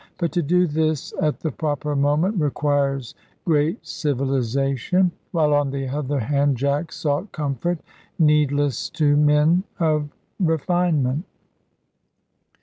But to do this at the proper moment requires great civilisation; while on the other hand Jack sought comfort, needless to men of refinement.